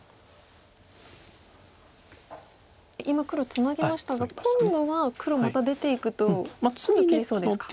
今黒ツナぎましたが今度は黒また出ていくと切れそうですか。